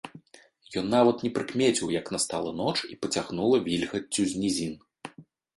Ён нават не прыкмеціў, як настала ноч і пацягнула вільгаццю з нізін.